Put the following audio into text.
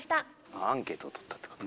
アンケート採ったってことね。